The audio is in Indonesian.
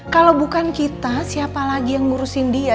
kalau bukan kita siapa lagi yang ngurusin dia